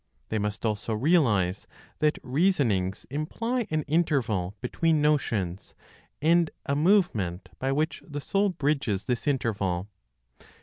They must (also realize) that reasonings imply an interval (between notions), and a movement (by which the soul bridges this interval).